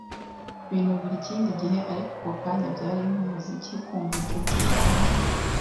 binubira ikindi gihe, ariko ako kanya byari nkumuziki kumva inshuti zanjye